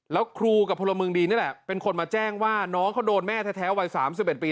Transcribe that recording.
แล้วครูกับพลเมืองดีนี่แหละเป็นคนมาแจ้งว่าน้องเขาโดนแม่แท้วัย๓๑ปี